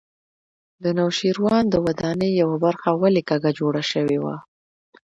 د نوشیروان د ودانۍ یوه برخه ولې کږه جوړه شوې وه.